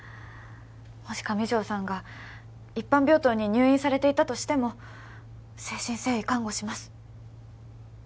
もし上条さんが一般病棟に入院されていたとしても誠心誠意看護します